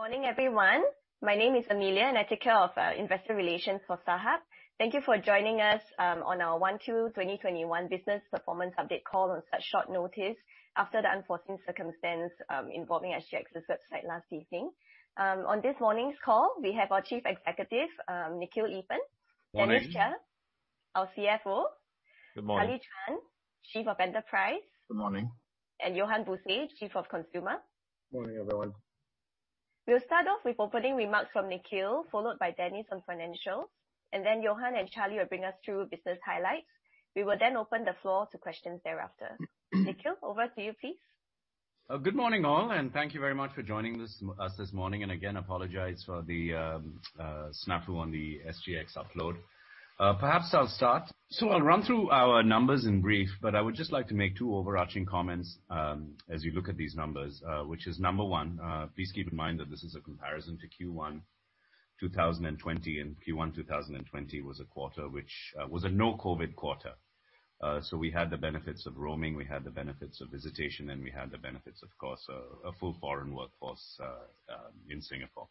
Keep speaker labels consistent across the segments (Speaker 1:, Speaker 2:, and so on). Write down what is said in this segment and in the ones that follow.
Speaker 1: Morning, everyone. My name is Amelia, and I take care of investor relations for StarHub. Thank you for joining us on our 1Q 2021 business performance update call on such short notice after the unforeseen circumstance involving SGX's website last evening. On this morning's call, we have our Chief Executive, Nikhil Eapen.
Speaker 2: Morning.
Speaker 1: Dennis Chia, our CFO.
Speaker 3: Good morning.
Speaker 1: Charlie Chan, Chief of Enterprise.
Speaker 4: Good morning.
Speaker 1: Johan Buse, Chief of Consumer.
Speaker 5: Morning, everyone.
Speaker 1: We'll start off with opening remarks from Nikhil, followed by Dennis on financials, and then Johan and Charlie will bring us through business highlights. We will then open the floor to questions thereafter. Nikhil, over to you, please.
Speaker 2: Good morning, all, thank you very much for joining us this morning. Again, apologize for the snafu on the SGX upload. Perhaps I'll start. I'll run through our numbers in brief, but I would just like to make two overarching comments as you look at these numbers. Which is number one, please keep in mind that this is a comparison to Q1 2020, and Q1 2020 was a quarter which was a no-COVID quarter. We had the benefits of roaming, we had the benefits of visitation, and we had the benefits, of course, a full foreign workforce in Singapore.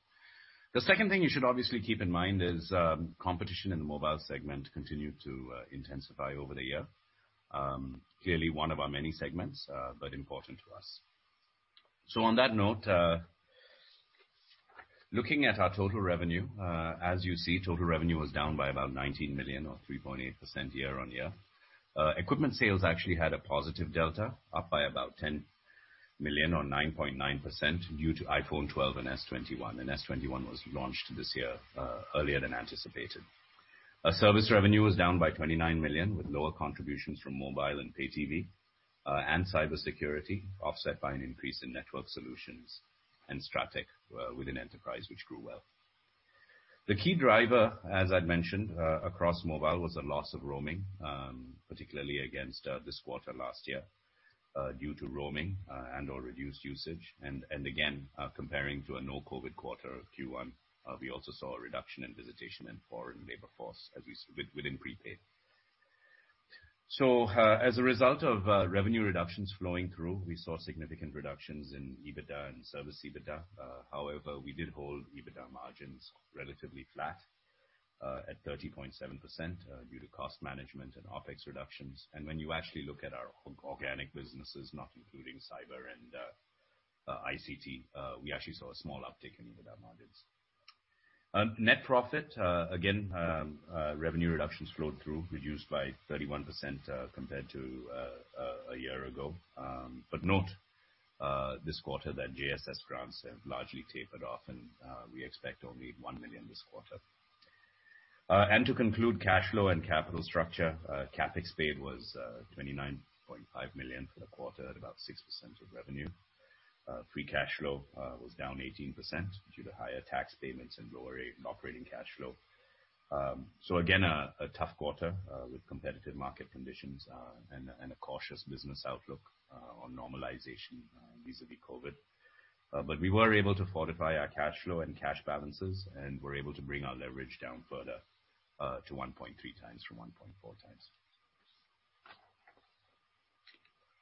Speaker 2: The second thing you should obviously keep in mind is competition in the mobile segment continued to intensify over the year. Clearly, one of our many segments but important to us. On that note, looking at our total revenue. As you see, total revenue was down by about 19 million or 3.8% year-on-year. Equipment sales actually had a positive delta, up by about 10 million or 9.9% due to iPhone 12 and S21. S21 was launched this year, earlier than anticipated. Our service revenue was down by 29 million, with lower contributions from mobile and pay TV and cybersecurity, offset by an increase in network solutions and Strateq within enterprise, which grew well. The key driver, as I'd mentioned, across mobile, was a loss of roaming, particularly against this quarter last year, due to roaming and/or reduced usage. Again, comparing to a no-COVID quarter, Q1, we also saw a reduction in visitation and foreign labor force within prepaid. As a result of revenue reductions flowing through, we saw significant reductions in EBITDA and service EBITDA. We did hold EBITDA margins relatively flat at 30.7% due to cost management and OpEx reductions. When you actually look at our organic businesses, not including cyber and ICT, we actually saw a small uptick in EBITDA margins. Net profit. Revenue reductions flowed through, reduced by 31% compared to a year ago. Note this quarter that JSS grants have largely tapered off, and we expect only 1 million this quarter. To conclude cash flow and capital structure. CapEx paid was 29.5 million for the quarter at about 6% of revenue. Free cash flow was down 18% due to higher tax payments and lower operating cash flow. A tough quarter with competitive market conditions and a cautious business outlook on normalization vis-à-vis COVID. We were able to fortify our cash flow and cash balances and were able to bring our leverage down further to 1.3 times from 1.4 times.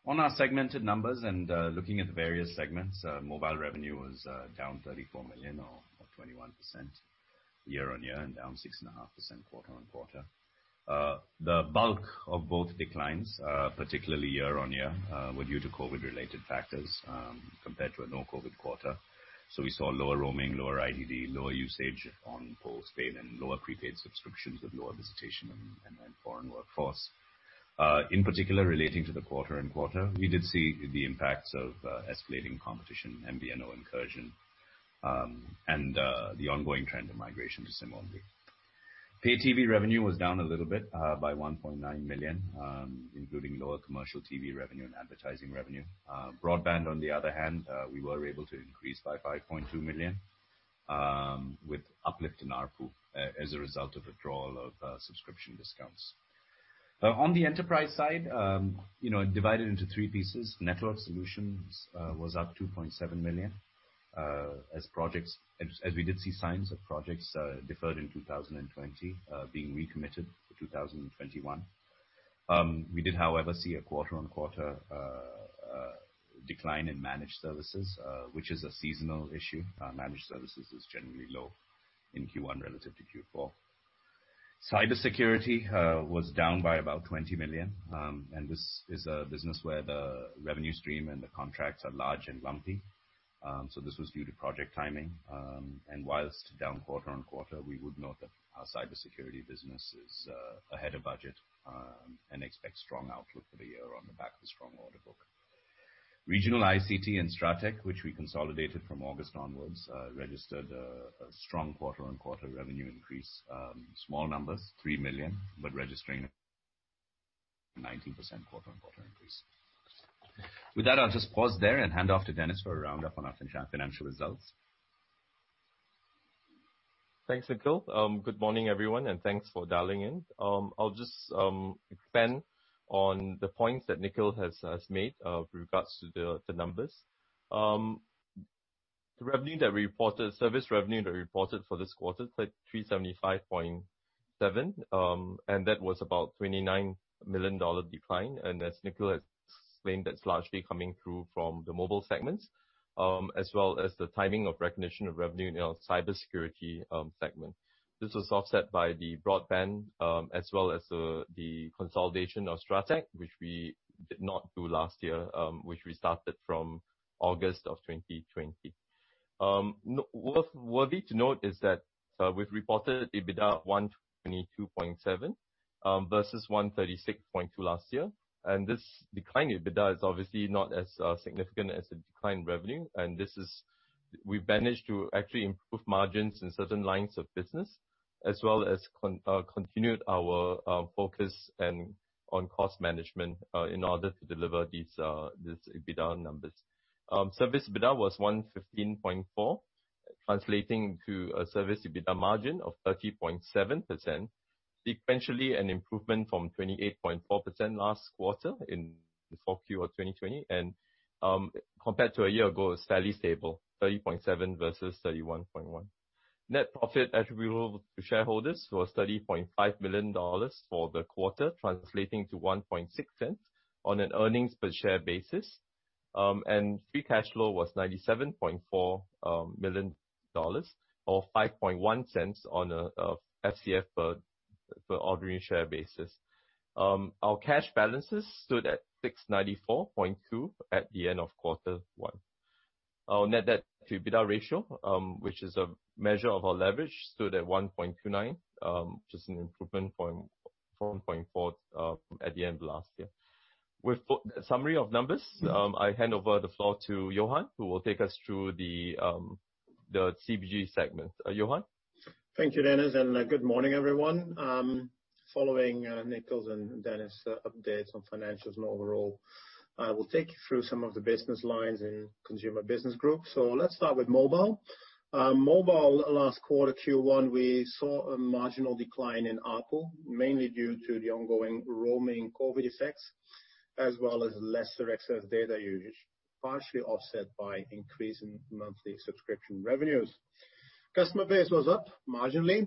Speaker 2: On our segmented numbers and looking at the various segments, mobile revenue was down 34 million or 21% year-on-year and down 6.5% quarter-on-quarter. The bulk of both declines, particularly year-on-year, were due to COVID related factors compared to a no-COVID quarter. We saw lower roaming, lower IDD, lower usage on postpaid and lower prepaid subscriptions with lower visitation and foreign workforce. In particular, relating to the quarter-on-quarter, we did see the impacts of escalating competition, MVNO incursion, and the ongoing trend of migration to SIM-only. Pay TV revenue was down a little bit, by 1.9 million, including lower commercial TV revenue and advertising revenue. Broadband, on the other hand, we were able to increase by 5.2 million, with uplift in ARPU as a result of withdrawal of subscription discounts. On the enterprise side, divided into three pieces. Network solutions was up 2.7 million as we did see signs of projects deferred in 2020 being recommitted for 2021. We did, however, see a quarter-on-quarter decline in managed services which is a seasonal issue. Managed services is generally low in Q1 relative to Q4. Cybersecurity was down by about 20 million, this is a business where the revenue stream and the contracts are large and lumpy. This was due to project timing. Whilst down quarter-on-quarter, we would note that our cybersecurity business is ahead of budget and expect strong outlook for the year on the back of strong order book. Regional ICT and Strateq, which we consolidated from August onwards, registered a strong quarter-on-quarter revenue increase. Small numbers, 3 million, registering a 19% quarter-on-quarter increase. With that, I'll just pause there and hand off to Dennis for a roundup on our financial results.
Speaker 3: Thanks, Nikhil. Good morning, everyone, and thanks for dialing in. I'll just expand on the points that Nikhil has made with regards to the numbers. The service revenue that we reported for this quarter, 375.7 million. That was about 29 million dollar decline. As Nikhil has explained, that's largely coming through from the mobile segments, as well as the timing of recognition of revenue in our cybersecurity segment. This was offset by the broadband, as well as the consolidation of Strateq, which we did not do last year, which we started from August of 2020. Worthy to note is that we've reported EBITDA of 122.7 million, versus 136.2 million last year. This decline in EBITDA is obviously not as significant as the decline in revenue. We've managed to actually improve margins in certain lines of business, as well as continued our focus on cost management in order to deliver these EBITDA numbers. Service EBITDA was 115.4, translating to a service EBITDA margin of 30.7%. Sequentially, an improvement from 28.4% last quarter in 4Q of 2020. Compared to a year ago, it's fairly stable, 30.7% versus 31.1%. Net profit attributable to shareholders was 30.5 million dollars for the quarter, translating to 0.016 on an Earnings Per Share basis. Free Cash Flow was 97.4 million dollars, or 0.051 on a FCF per ordinary share basis. Our cash balances stood at 694.2 at the end of quarter one. Our net debt to EBITDA ratio, which is a measure of our leverage, stood at 1.29, which is an improvement from 4.4 at the end of last year. With summary of numbers, I hand over the floor to Johan, who will take us through the CBG segment. Johan?
Speaker 5: Thank you, Dennis, and good morning, everyone. Following Nikhil's and Dennis' updates on financials and overall, I will take you through some of the business lines in Consumer Business Group. Let's start with mobile. Mobile last quarter, Q1, we saw a marginal decline in ARPU, mainly due to the ongoing roaming COVID effects, as well as lesser access data usage, partially offset by increase in monthly subscription revenues. Customer base was up marginally,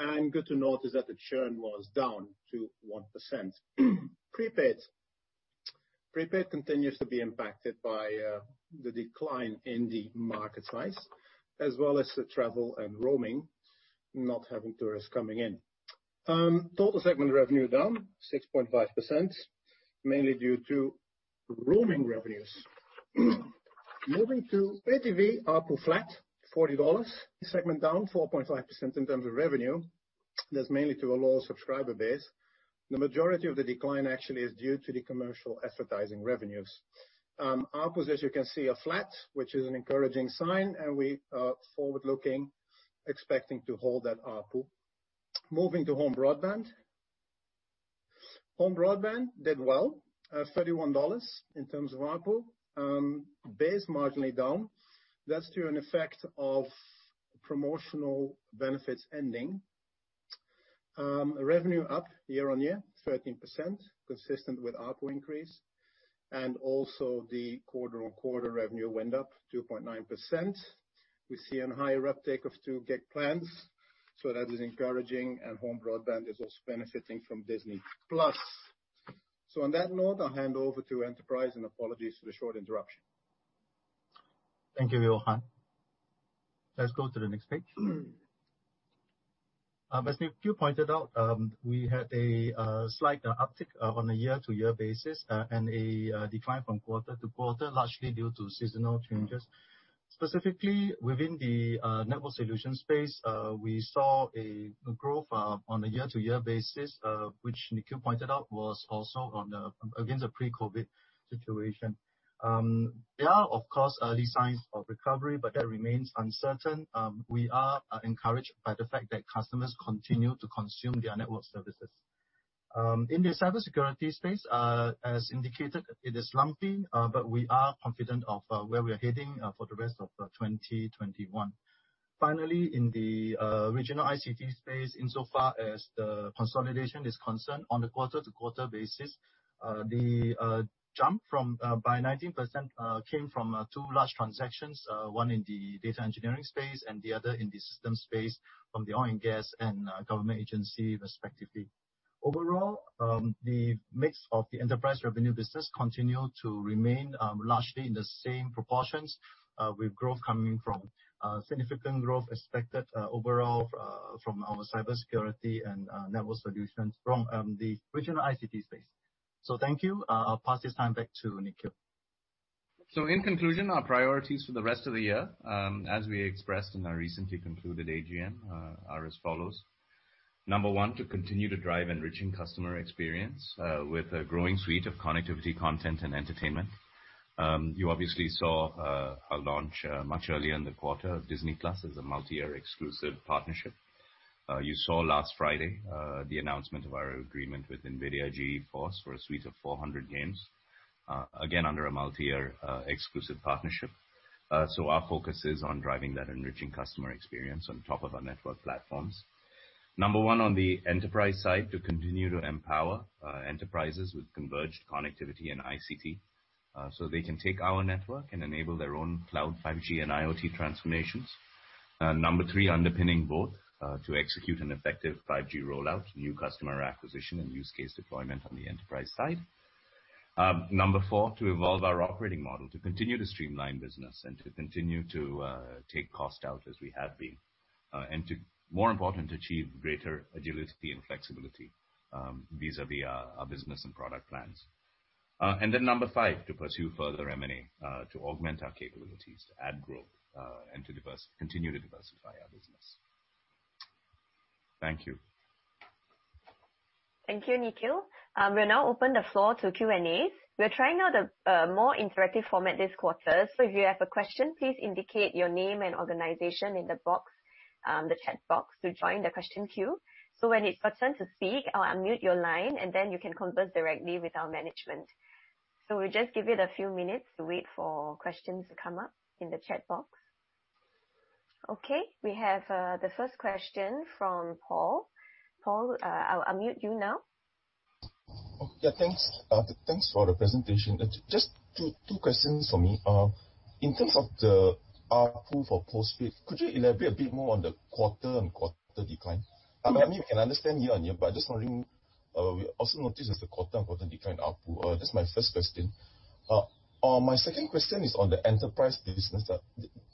Speaker 5: and good to note is that the churn was down to 1%. Prepaid continues to be impacted by the decline in the market size, as well as the travel and roaming not having tourists coming in. Total segment revenue down 6.5%, mainly due to roaming revenues. Moving to pay TV ARPU flat 40 dollars. The segment down 4.5% in terms of revenue. That's mainly to a lower subscriber base. The majority of the decline actually is due to the commercial advertising revenues. ARPU, as you can see, are flat which is an encouraging sign, and we are forward-looking, expecting to hold that ARPU. Moving to home broadband. Home broadband did well, 31 dollars in terms of ARPU. Base marginally down. That's due an effect of promotional benefits ending. Revenue up year-on-year 13%, consistent with ARPU increase. Also the quarter-on-quarter revenue went up 2.9%. We see an higher uptake of two gig plans, so that is encouraging and home broadband is also benefiting from Disney+. On that note, I'll hand over to Enterprise and apologies for the short interruption.
Speaker 4: Thank you, Johan. Let's go to the next page. As Nikhil pointed out, we had a slight uptick on a year-over-year basis and a decline from quarter-over-quarter, largely due to seasonal changes. Specifically, within the network solution space, we saw a growth on a year-over-year basis, which Nikhil pointed out was also against a pre-COVID situation. There are, of course, early signs of recovery, but that remains uncertain. We are encouraged by the fact that customers continue to consume their network services. In the cybersecurity space, as indicated, it is lumpy, but we are confident of where we are heading for the rest of 2021. Finally, in the regional ICT space, insofar as the consolidation is concerned on a quarter-to-quarter basis, the jump by 19% came from two large transactions, one in the data engineering space and the other in the system space from the oil and gas and government agency, respectively. Overall, the mix of the enterprise revenue business continue to remain largely in the same proportions with growth coming from significant growth expected overall from our cybersecurity and network solutions from the regional ICT space. Thank you. I'll pass this time back to Nikhil.
Speaker 2: In conclusion, our priorities for the rest of the year, as we expressed in our recently concluded AGM, are as follows. Number one, to continue to drive enriching customer experience with a growing suite of connectivity, content and entertainment. You obviously saw our launch much earlier in the quarter of Disney+ as a multi-year exclusive partnership. You saw last Friday, the announcement of our agreement with NVIDIA GeForce for a suite of 400 games. Again, under a multi-year exclusive partnership. Our focus is on driving that enriching customer experience on top of our network platforms. Number one on the enterprise side, to continue to empower enterprises with converged connectivity and ICT. They can take our network and enable their own cloud 5G and IoT transformations. Number three, underpinning both to execute an effective 5G rollout, new customer acquisition, and use case deployment on the enterprise side. Number four, to evolve our operating model, to continue to streamline business and to continue to take cost out as we have been. More important, to achieve greater agility and flexibility vis-a-vis our business and product plans. Number five, to pursue further M&A to augment our capabilities, to add growth, and to continue to diversify our business. Thank you.
Speaker 1: Thank you, Nikhil. We'll now open the floor to Q&As. We're trying out a more interactive format this quarter. If you have a question, please indicate your name and organization in the chat box to join the question queue. When it's your turn to speak, I'll unmute your line, you can converse directly with our management. We'll just give it a few minutes to wait for questions to come up in the chat box. Okay, we have the first question from Paul. Paul, I'll unmute you now.
Speaker 6: Okay. Yeah, thanks for the presentation. Just two questions from me. In terms of the ARPU for postpaid, could you elaborate a bit more on the quarter-on-quarter decline? I mean, we can understand year-on-year, but just wondering, we also noticed there's a quarter-on-quarter decline in ARPU. That's my first question. My second question is on the enterprise business.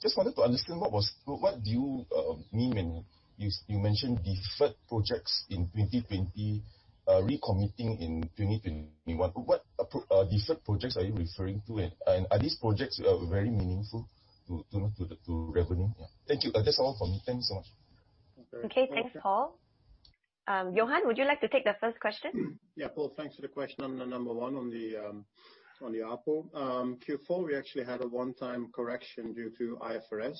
Speaker 6: Just wanted to understand what do you mean when you mentioned deferred projects in 2020, recommitting in 2021? What deferred projects are you referring to? Are these projects very meaningful to revenue? Yeah. Thank you. That's all from me. Thank you so much.
Speaker 1: Okay. Thanks, Paul. Johan, would you like to take the first question?
Speaker 5: Yeah, Paul, thanks for the question on the number one on the ARPU. Q4, we actually had a one-time correction due to IFRS.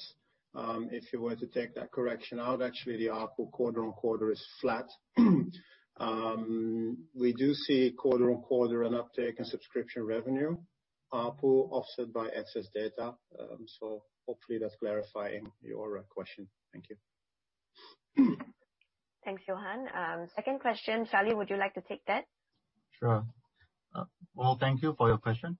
Speaker 5: If you were to take that correction out, actually, the ARPU quarter-on-quarter is flat. We do see quarter-on-quarter an uptick in subscription revenue ARPU, offset by excess data. Hopefully that's clarifying your question. Thank you.
Speaker 1: Thanks, Johan. Second question, Charlie, would you like to take that?
Speaker 4: Sure. Paul, thank you for your question.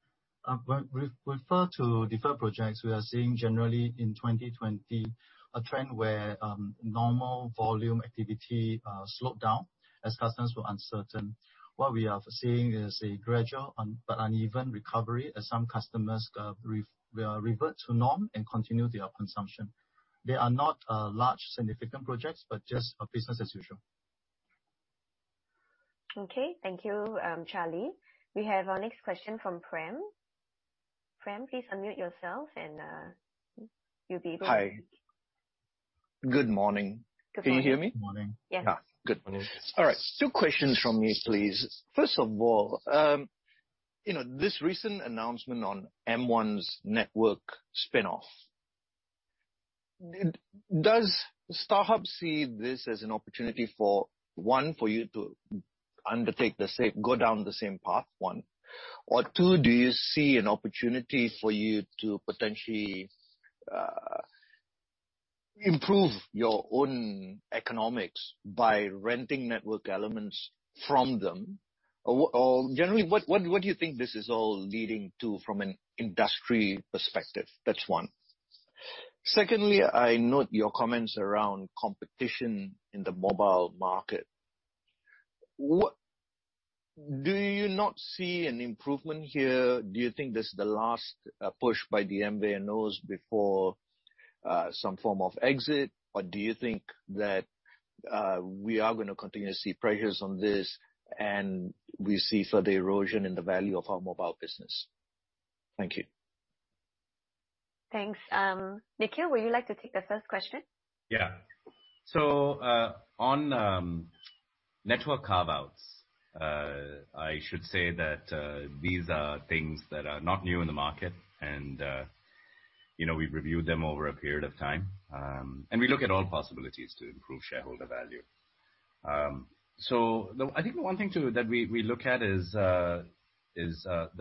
Speaker 4: With regard to deferred projects, we are seeing generally in 2020 a trend where normal volume activity slowed down as customers were uncertain. What we are seeing is a gradual but uneven recovery as some customers revert to norm and continue their consumption. They are not large significant projects but just business as usual.
Speaker 1: Okay. Thank you, Charlie. We have our next question from Prem. Prem, please unmute yourself and you'll be able to.
Speaker 7: Hi. Good morning.
Speaker 1: Good morning.
Speaker 7: Can you hear me?
Speaker 2: Morning.
Speaker 1: Yes.
Speaker 2: Good. Morning.
Speaker 7: All right. Two questions from me, please. This recent announcement on M1's network spinoff. Does StarHub see this as an opportunity for, one, for you to undertake the same, go down the same path, one? Two, do you see an opportunity for you to potentially improve your own economics by renting network elements from them? Generally, what do you think this is all leading to from an industry perspective? That's one. I note your comments around competition in the mobile market. Do you not see an improvement here? Do you think this is the last push by the MVNOs before some form of exit? Do you think that we are going to continue to see pressures on this and we see further erosion in the value of our mobile business? Thank you.
Speaker 1: Thanks. Nikhil, would you like to take the first question?
Speaker 2: Yeah. On network carve-outs, I should say that these are things that are not new in the market and we've reviewed them over a period of time. We look at all possibilities to improve shareholder value. I think the one thing, too, that we look at is the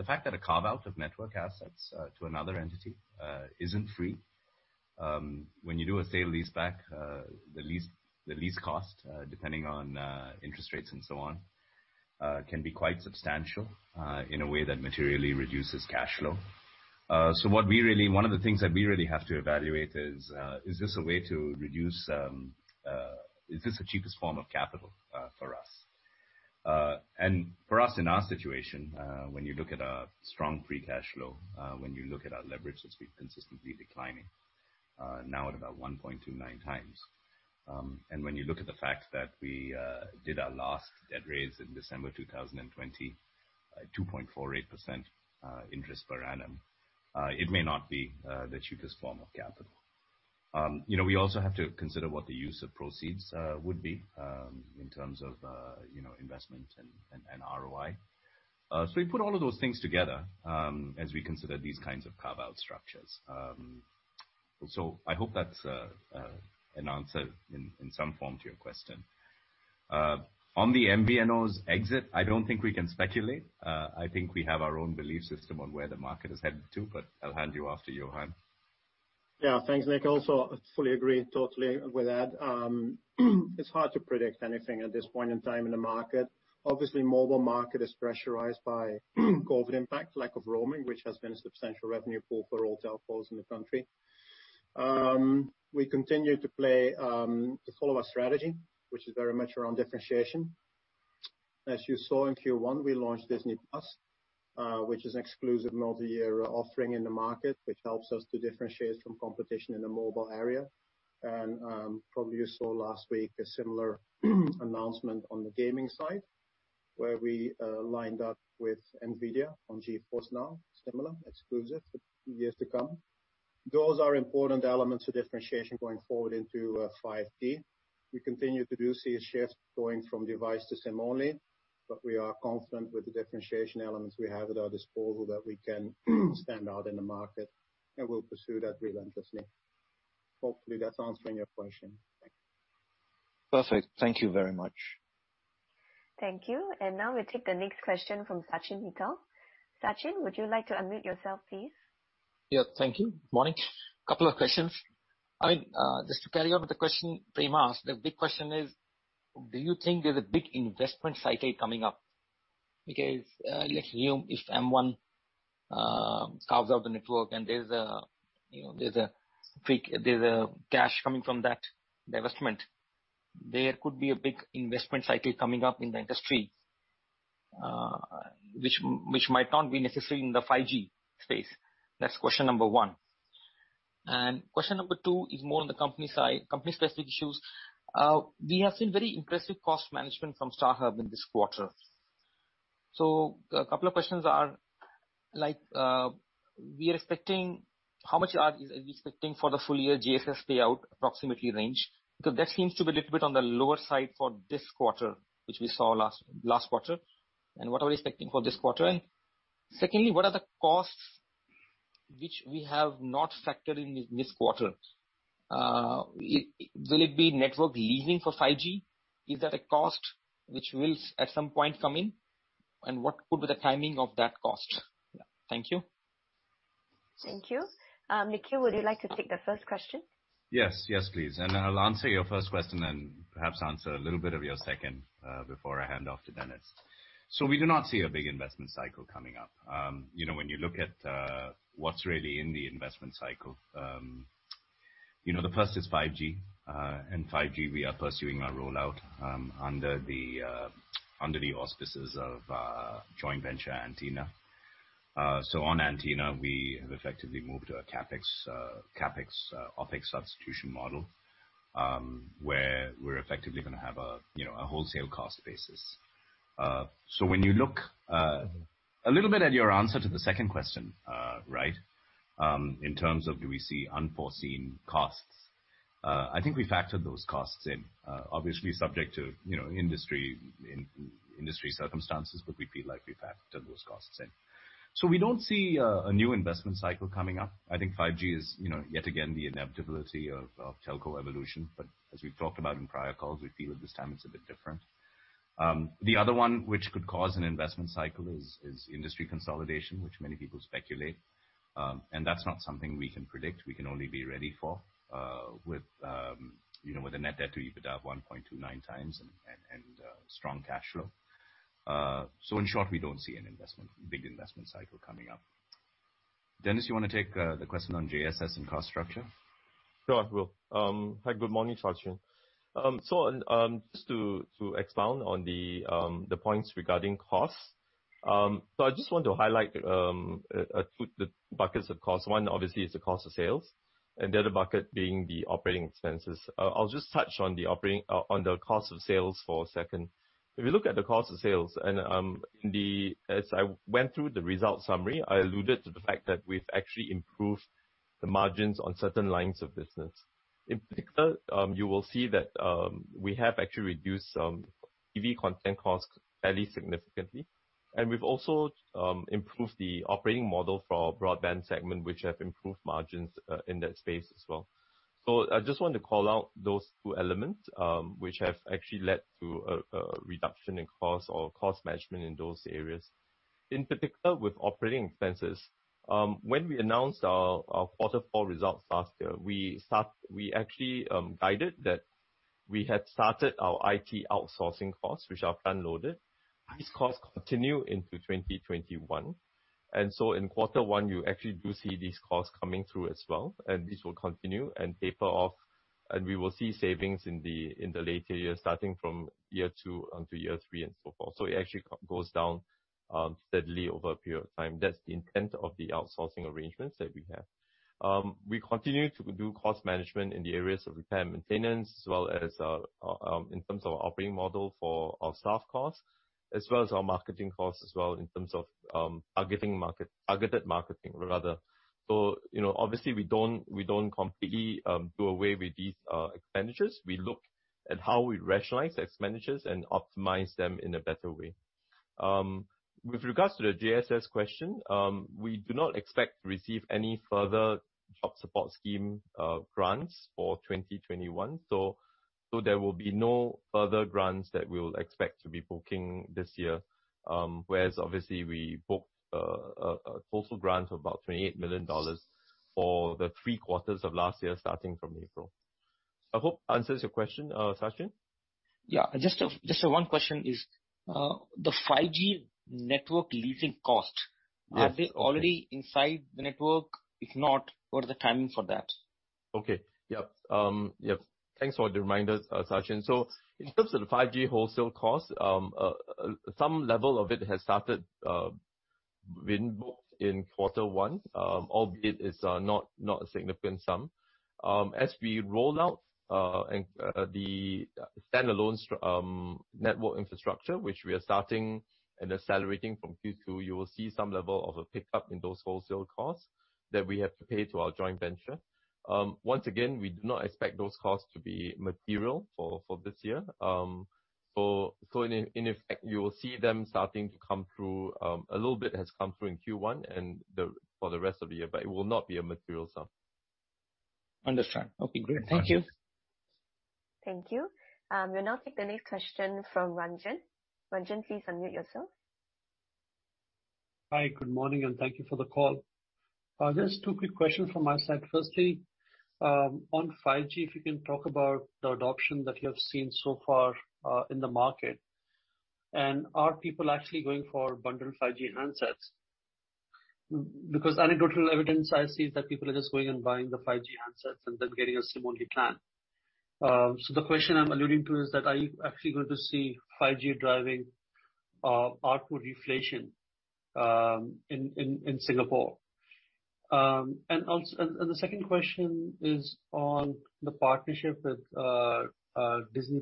Speaker 2: fact that a carve out of network assets to another entity isn't free. When you do a sale lease back, the lease cost, depending on interest rates and so on, can be quite substantial in a way that materially reduces cash flow. One of the things that we really have to evaluate is this the cheapest form of capital for us? For us in our situation, when you look at our strong Free Cash Flow, when you look at our leverage that's been consistently declining, now at about 1.29 times. When you look at the fact that we did our last debt raise in December 2020 at 2.48% interest per annum, it may not be the cheapest form of capital. We also have to consider what the use of proceeds would be in terms of investment and ROI. We put all of those things together as we consider these kinds of carve-out structures. I hope that's an answer in some form to your question. On the MVNO's exit, I don't think we can speculate. I think we have our own belief system on where the market is headed to, but I'll hand you off to Johan.
Speaker 5: Yeah. Thanks, Nikhil. Fully agree totally with that. It's hard to predict anything at this point in time in the market. Obviously, mobile market is pressurized by COVID impact, lack of roaming, which has been a substantial revenue pool for all telcos in the country. We continue to follow our strategy, which is very much around differentiation. As you saw in Q1, we launched Disney+, which is an exclusive multi-year offering in the market which helps us to differentiate from competition in the mobile area. Probably you saw last week a similar announcement on the gaming side, where we lined up with NVIDIA on GeForce NOW, similar exclusive for years to come. Those are important elements of differentiation going forward into 5G. We continue to do see a shift going from device to SIM-only, but we are confident with the differentiation elements we have at our disposal that we can stand out in the market, and we'll pursue that relentlessly. Hopefully, that's answering your question. Thank you.
Speaker 7: Perfect. Thank you very much.
Speaker 1: Thank you. Now we take the next question from Sachin Mittal. Sachin, would you like to unmute yourself, please?
Speaker 8: Yeah. Thank you. Morning. Couple of questions. Just to carry on with the question Prem asked, the big question is, do you think there's a big investment cycle coming up? Let's assume if M1 carves out the network and there's a cash coming from that divestment, there could be a big investment cycle coming up in the industry, which might not be necessary in the 5G space. That's question number one. Question number two is more on the company side, company specific issues. We have seen very impressive cost management from StarHub in this quarter. A couple of questions are, how much are we expecting for the full year JSS payout approximately range? That seems to be a little bit on the lower side for this quarter, which we saw last quarter. What are we expecting for this quarter? Secondly, what are the costs which we have not factored in this quarter? Will it be network leasing for 5G? Is that a cost which will at some point come in? What would be the timing of that cost? Thank you.
Speaker 1: Thank you. Nikhil, would you like to take the first question?
Speaker 2: Yes. Yes, please. I'll answer your first question and perhaps answer a little bit of your second, before I hand off to Dennis. We do not see a big investment cycle coming up. When you look at what's really in the investment cycle, the first is 5G. In 5G, we are pursuing our rollout under the auspices of joint venture Antina. On Antina, we have effectively moved to a CapEx OpEx substitution model, where we're effectively going to have a wholesale cost basis. When you look a little bit at your answer to the second question, in terms of do we see unforeseen costs? I think we factored those costs in. Obviously subject to industry circumstances, but we feel like we factored those costs in. We don't see a new investment cycle coming up. I think 5G is, yet again, the inevitability of telco evolution. As we've talked about in prior calls, we feel at this time it's a bit different. The other one which could cause an investment cycle is industry consolidation, which many people speculate. That's not something we can predict. We can only be ready for with a net debt to EBITDA of 1.29 times and strong cash flow. In short, we don't see any big investment cycle coming up. Dennis, you want to take the question on JSS and cost structure?
Speaker 3: Sure, I will. Hi, good morning, Sachin. Just to expound on the points regarding costs. I just want to highlight the buckets of cost. One obviously is the cost of sales and the other bucket being the operating expenses. I'll just touch on the cost of sales for a second. If you look at the cost of sales and as I went through the result summary, I alluded to the fact that we've actually improved the margins on certain lines of business. In particular, you will see that we have actually reduced TV content costs fairly significantly, and we've also improved the operating model for our broadband segment, which have improved margins in that space as well. I just want to call out those two elements, which have actually led to a reduction in cost or cost management in those areas. In particular, with Operating Expenses. When we announced our quarter four results last year, we actually guided that we had started our IT outsourcing costs, which are plan loaded. These costs continue into 2021. In quarter one, you actually do see these costs coming through as well. This will continue and taper off. We will see savings in the later years starting from year two until year three and so forth. It actually goes down steadily over a period of time. That's the intent of the outsourcing arrangements that we have. We continue to do cost management in the areas of repair and maintenance as well as in terms of our operating model for our staff costs, as well as our marketing costs as well in terms of targeted marketing, rather. Obviously we don't completely do away with these expenditures. We look at how we rationalize expenditures and optimize them in a better way. With regards to the JSS question, we do not expect to receive any further Jobs Support Scheme grants for 2021. There will be no further grants that we'll expect to be booking this year. Obviously we booked a total grant of about 28 million dollars for the three quarters of last year, starting from April. I hope answers your question, Sachin.
Speaker 8: Yeah. Just one question is, the 5G network leasing cost-
Speaker 3: Yes.
Speaker 8: Are they already inside the network? If not, what is the timing for that?
Speaker 3: Okay. Yep. Thanks for the reminder, Sachin. In terms of the 5G wholesale cost, some level of it has started being booked in quarter one. Albeit it's not a significant sum. As we roll out the stand-alone network infrastructure, which we are starting and accelerating from Q2, you will see some level of a pickup in those wholesale costs that we have to pay to our joint venture. Once again, we do not expect those costs to be material for this year. In effect, you will see them starting to come through, a little bit has come through in Q1 and for the rest of the year, but it will not be a material sum.
Speaker 8: Understood. Okay, great. Thank you.
Speaker 1: Thank you. We'll now take the next question from Ranjan. Ranjan, please unmute yourself.
Speaker 9: Hi, good morning, and thank you for the call.
Speaker 1: Yes.
Speaker 9: Just two quick questions from my side. Firstly, on 5G, if you can talk about the adoption that you have seen so far in the market. Are people actually going for bundled 5G handsets? Because anecdotal evidence I see is that people are just going and buying the 5G handsets and then getting a SIM-only plan. The question I'm alluding to is that are you actually going to see 5G driving ARPU deflation in Singapore? The second question is on the partnership with Disney+.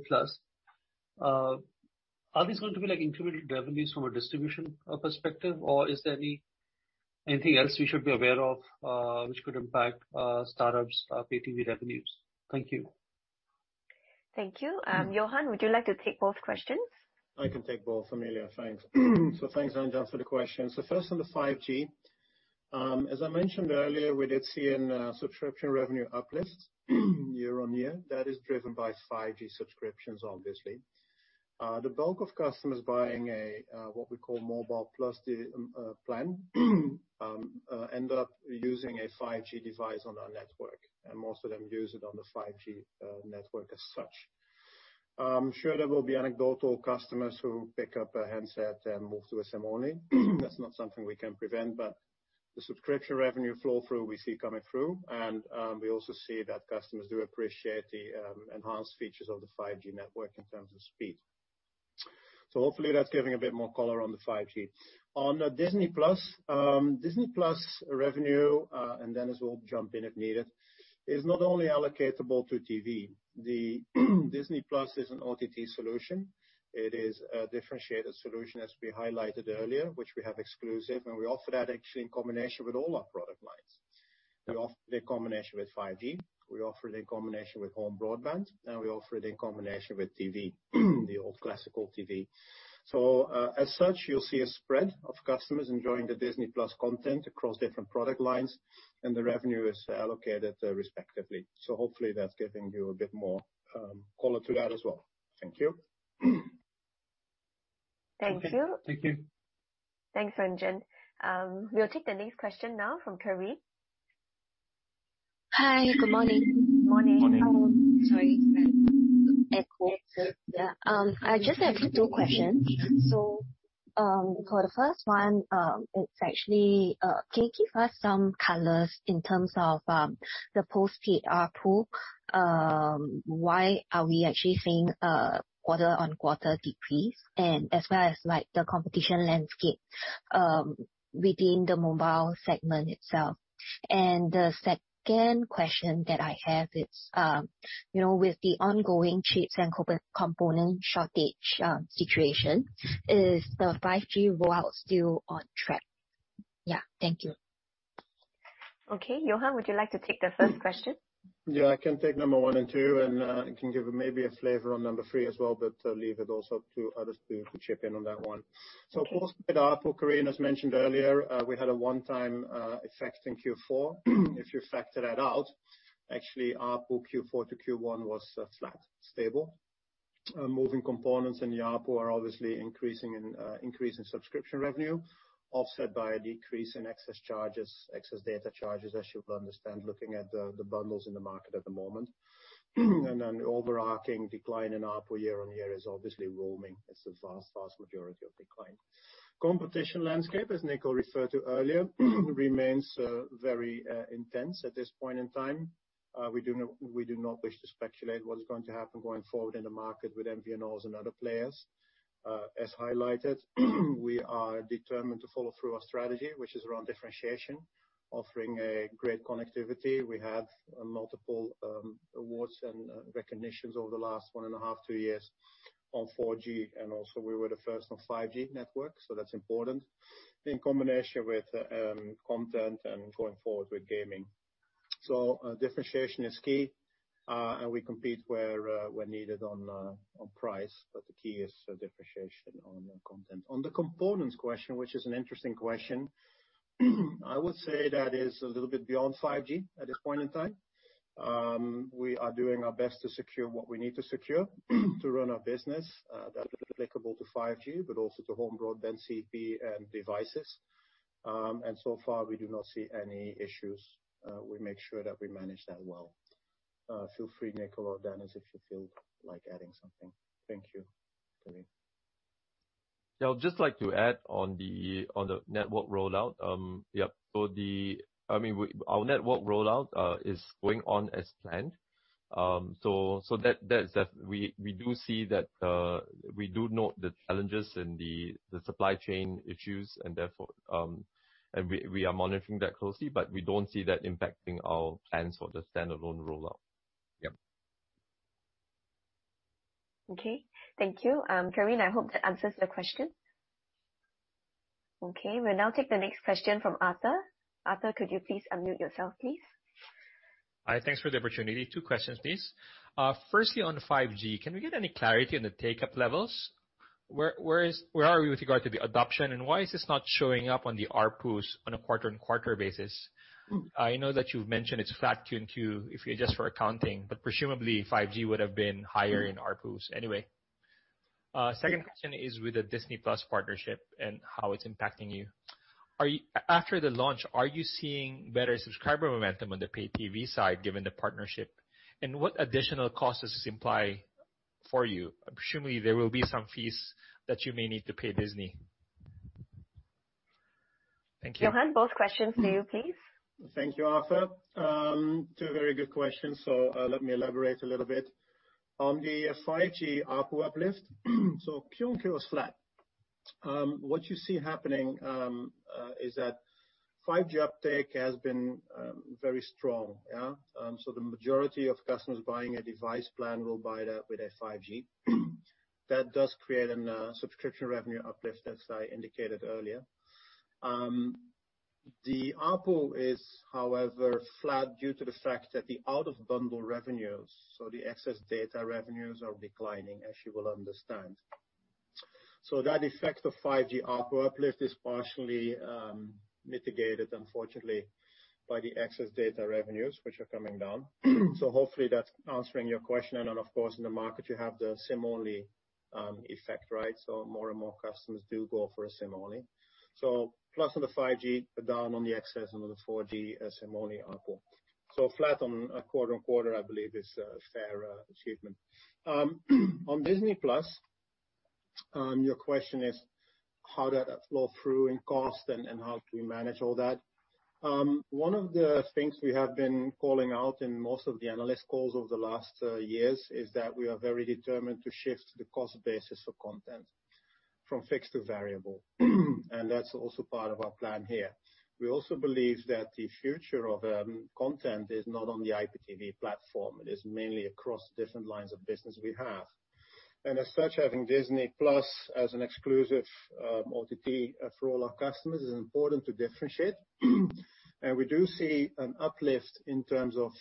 Speaker 9: Are these going to be like incremental revenues from a distribution perspective, or is there anything else we should be aware of which could impact StarHub's pay TV revenues? Thank you.
Speaker 1: Thank you. Johan, would you like to take both questions?
Speaker 5: I can take both, Amelia, thanks. Thanks, Ranjan, for the question. First on the 5G. As I mentioned earlier, we did see a subscription revenue uplift year-over-year. That is driven by 5G subscriptions, obviously. The bulk of customers buying a, what we call, Mobile+ plan end up using a 5G device on our network, and most of them use it on the 5G network as such. I'm sure there will be anecdotal customers who pick up a handset and move to a SIM-only. That's not something we can prevent, but the subscription revenue flow-through, we see coming through. We also see that customers do appreciate the enhanced features of the 5G network in terms of speed. Hopefully that's giving a bit more color on the 5G. On the Disney+. Disney+ revenue, and Dennis will jump in if needed, is not only allocatable to TV. The Disney+ is an OTT solution. It is a differentiated solution as we highlighted earlier which we have exclusive, and we offer that actually in combination with all our product lines. We offer it in combination with 5G, we offer it in combination with home broadband, and we offer it in combination with TV, the old classical TV. As such, you'll see a spread of customers enjoying the Disney+ content across different product lines, and the revenue is allocated respectively. Hopefully that's giving you a bit more color to that as well. Thank you.
Speaker 1: Thank you.
Speaker 9: Thank you.
Speaker 1: Thanks, Ranjan. We'll take the next question now from Kareem.
Speaker 10: Hi, good morning.
Speaker 1: Morning.
Speaker 3: Morning.
Speaker 10: Sorry, echo. Yeah. I just have two questions. For the first one, it's actually, can you give us some colors in terms of the post-paid ARPU? Why are we actually seeing a quarter-on-quarter decrease and as well as the competition landscape within the mobile segment itself? The second question that I have is, with the ongoing chips and component shortage situation, is the 5G rollout still on track? Yeah. Thank you.
Speaker 1: Okay. Johan, would you like to take the first question?
Speaker 5: Yeah. I can take number one and two, and I can give maybe a flavor on number three as well, but leave it also to others to chip in on that one. Okay. Post-paid ARPU, Kareem, as mentioned earlier, we had a one-time effect in Q4. If you factor that out, actually ARPU Q4 to Q1 was flat, stable. Moving components in the ARPU are obviously increase in subscription revenue, offset by a decrease in excess data charges as you will understand, looking at the bundles in the market at the moment. The overarching decline in ARPU year-on-year is obviously roaming. It's a vast majority of decline. Competition landscape, as Nikhil referred to earlier, remains very intense at this point in time. We do not wish to speculate what is going to happen going forward in the market with MVNOs and other players. As highlighted, we are determined to follow through our strategy, which is around differentiation, offering a great connectivity. We have multiple awards and recognitions over the last one and a half, two years on 4G, and also we were the first on 5G network. That's important. In combination with content and going forward with gaming. Differentiation is key, and we compete where needed on price, but the key is differentiation on content. On the components question, which is an interesting question. I would say that is a little bit beyond 5G at this point in time. We are doing our best to secure what we need to secure to run our business. That is applicable to 5G, but also to home broadband CPE and devices. So far, we do not see any issues. We make sure that we manage that well. Feel free, Nikhil or Dennis, if you feel like adding something. Thank you, Kareem.
Speaker 3: Yeah. I'd just like to add on the network rollout. Our network rollout is going on as planned. We do note the challenges and the supply chain issues and therefore, we are monitoring that closely, but we don't see that impacting our plans for the standalone rollout. Yep.
Speaker 1: Okay. Thank you. Kareem, I hope that answers your question. Okay. We'll now take the next question from Arthur. Arthur, could you please unmute yourself, please?
Speaker 11: Hi. Thanks for the opportunity. Two questions, please. Firstly, on 5G, can we get any clarity on the take-up levels? Where are we with regard to the adoption, and why is this not showing up on the ARPUs on a quarter-on-quarter basis? I know that you've mentioned it's flat Q1 and Q2 if you adjust for accounting, but presumably 5G would have been higher in ARPUs anyway. Second question is with the Disney+ partnership and how it's impacting you. After the launch, are you seeing better subscriber momentum on the paid TV side given the partnership? What additional costs does this imply for you? Presumably, there will be some fees that you may need to pay Disney. Thank you.
Speaker 1: Johan, both questions to you, please.
Speaker 5: Thank you, Arthur. Two very good questions. Let me elaborate a little bit. On the 5G ARPU uplift. Q-on-Q was flat. What you see happening is that 5G uptake has been very strong. Yeah. The majority of customers buying a device plan will buy that with a 5G. That does create a subscription revenue uplift as I indicated earlier. The ARPU is, however, flat due to the fact that the out of bundle revenues, so the excess data revenues are declining, as you will understand. That effect of 5G ARPU uplift is partially mitigated, unfortunately, by the excess data revenues, which are coming down. Hopefully that's answering your question. Of course, in the market you have the SIM-only effect, right? More and more customers do go for a SIM-only. Plus on the 5G, but down on the excess under the 4G SIM-only ARPU. Flat on a quarter-on-quarter, I believe, is a fair achievement. On Disney+, your question is how did that flow through in cost and how do we manage all that? One of the things we have been calling out in most of the analyst calls over the last years is that we are very determined to shift the cost basis for content from fixed to variable. That's also part of our plan here. We also believe that the future of content is not on the IPTV platform. It is mainly across different lines of business we have. As such, having Disney+ as an exclusive OTT for all our customers is important to differentiate. We do see an uplift in terms of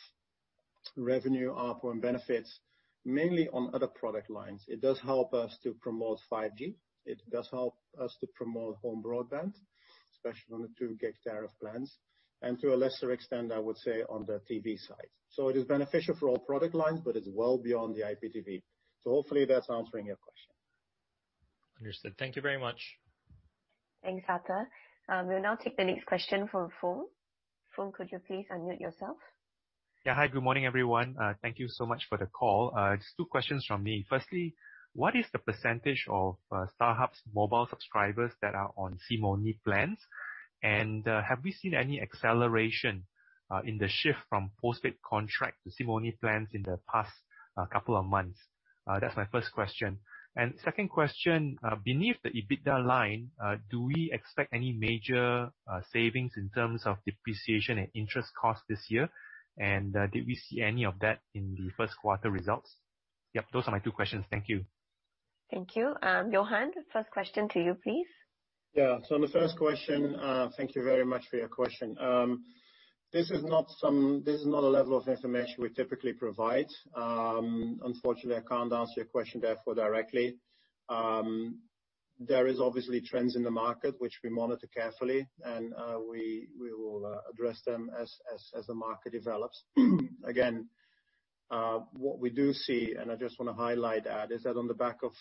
Speaker 5: revenue, ARPU, and benefits, mainly on other product lines. It does help us to promote 5G. It does help us to promote home broadband, especially on the two gig tariff plans, and to a lesser extent, I would say, on the TV side. It is beneficial for all product lines, but it's well beyond the IPTV. Hopefully that's answering your question.
Speaker 11: Understood. Thank you very much.
Speaker 1: Thanks, Arthur. We'll now take the next question from Fung. Fung, could you please unmute yourself?
Speaker 12: Yeah. Hi, good morning, everyone. Thank you so much for the call. Just two questions from me. Firstly, what is the percentage of StarHub's mobile subscribers that are on SIM-only plans? Have we seen any acceleration in the shift from postpaid contract to SIM-only plans in the past couple of months? That's my first question. Second question, beneath the EBITDA line, do we expect any major savings in terms of depreciation and interest cost this year? Did we see any of that in the first quarter results? Yep. Those are my two questions. Thank you.
Speaker 1: Thank you. Johan, first question to you, please.
Speaker 5: Yeah. On the first question, thank you very much for your question. This is not a level of information we typically provide. Unfortunately, I can't answer your question therefore directly. There is obviously trends in the market, which we monitor carefully, and we will address them as the market develops. Again, what we do see, and I just want to highlight that, is that on the back of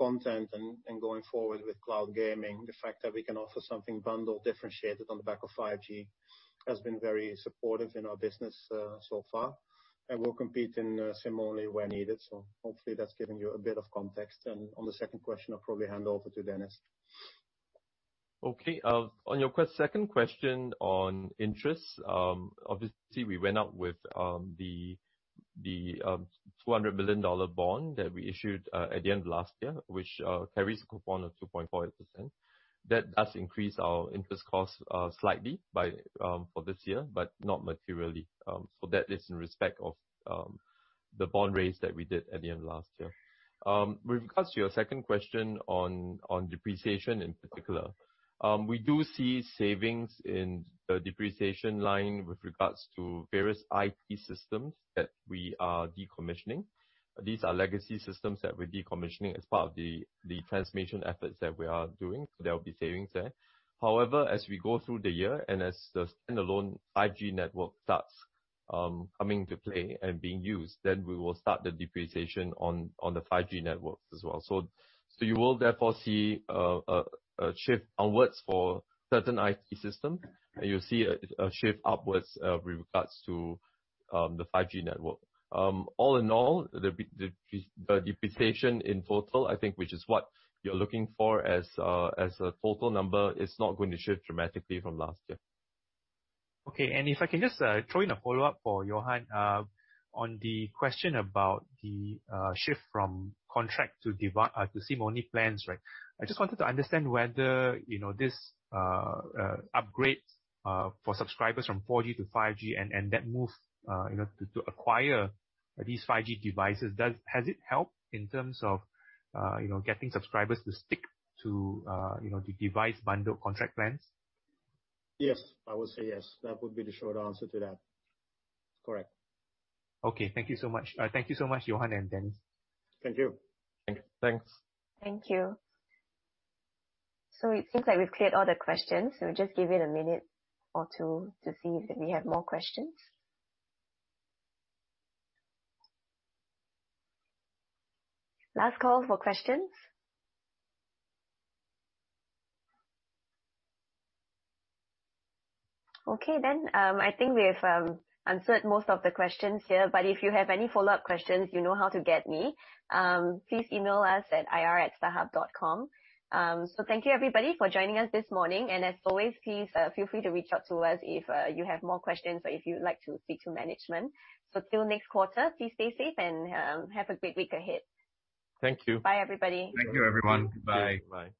Speaker 5: content and going forward with cloud gaming, the fact that we can offer something bundled, differentiated on the back of 5G, has been very supportive in our business so far. We'll compete in SIM-only where needed. Hopefully that's giving you a bit of context. On the second question, I'll probably hand over to Dennis.
Speaker 3: Okay. On your second question on interest, obviously we went out with the 200 million dollar bond that we issued at the end of last year, which carries a coupon of 2.48%. That does increase our interest cost slightly for this year but not materially. That is in respect of the bond raise that we did at the end of last year. With regards to your second question on depreciation in particular. We do see savings in the depreciation line with regards to various IT systems that we are decommissioning. These are legacy systems that we're decommissioning as part of the transformation efforts that we are doing. There will be savings there. However, as we go through the year and as the standalone 5G network starts coming to play and being used, then we will start the depreciation on the 5G networks as well. You will therefore see a shift onwards for certain IT systems, and you'll see a shift upwards with regards to the 5G network. All in all, the depreciation in total, I think, which is what you're looking for as a total number, is not going to shift dramatically from last year.
Speaker 12: Okay. If I can just throw in a follow-up for Johan on the question about the shift from contract to SIM-only plans. I just wanted to understand whether this upgrade for subscribers from 4G to 5G and that move to acquire these 5G devices, has it helped in terms of getting subscribers to stick to the device bundle contract plans?
Speaker 5: Yes. I would say yes. That would be the short answer to that. Correct.
Speaker 12: Okay. Thank you so much, Johan and Dennis.
Speaker 5: Thank you.
Speaker 3: Thanks.
Speaker 1: Thank you. It seems like we've cleared all the questions. We'll just give it a minute or two to see if we have more questions. Last call for questions. I think we've answered most of the questions here, but if you have any follow-up questions, you know how to get me. Please email us at ir@starhub.com. Thank you everybody for joining us this morning, and as always, please feel free to reach out to us if you have more questions or if you'd like to speak to management. Till next quarter, please stay safe and have a great week ahead.
Speaker 3: Thank you.
Speaker 1: Bye, everybody.
Speaker 5: Thank you, everyone. Goodbye.
Speaker 3: Bye.